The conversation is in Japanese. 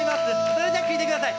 それじゃあ聴いてください。